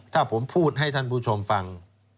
ถ้าผมพูดให้ท่านผู้ชมฟัง